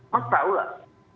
mas tahu lah